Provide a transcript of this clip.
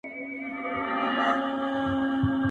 o اوښ تې ويل الغبندي وکه، ده ول، په کمو لاسو.